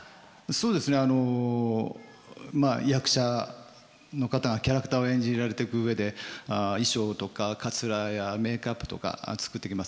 そうですねあの役者の方がキャラクターを演じられてく上で衣装とかかつらやメーキャップとか作っていきますね。